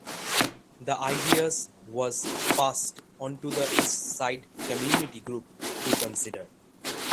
The ideas was passed on to the Eastside Community Group to consider.